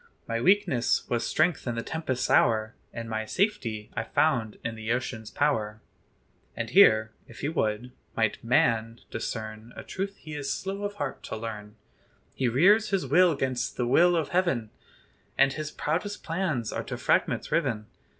My weakness was strength in the tempest's hour, And my safety I found in the ocean's power." And here, if he would, might man discern A truth he is "slow of heart" to learn. He rears his will 'gainst the will of heaven, And his proudest plans are to fragments riven.